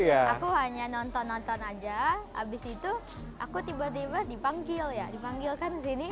aku hanya nonton nonton aja abis itu aku tiba tiba dipanggil ya dipanggilkan di sini